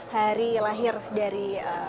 hari lahir dari